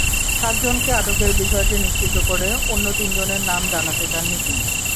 সাতজনকে আটকের বিষয়টি নিশ্চিত করে অন্য তিনজনের নাম জানাতে চাননি তিনি।